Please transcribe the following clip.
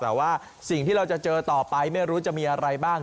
แต่ว่าสิ่งที่เราจะเจอต่อไปไม่รู้จะมีอะไรบ้าง